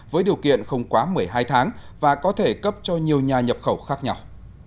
với điều kiện không quá một mươi hai tháng và có thể cấp cho nhiều nhà nhập khẩu khác nhau